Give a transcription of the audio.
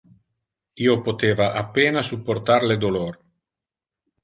Io poteva a pena supportar le dolor.